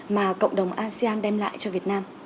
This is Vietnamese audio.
mà cộng đồng asean đem lại cho việt nam